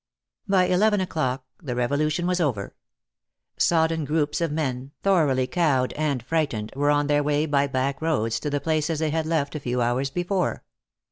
By eleven o'clock the revolution was over. Sodden groups of men, thoroughly cowed and frightened, were on their way by back roads to the places they had left a few hours before.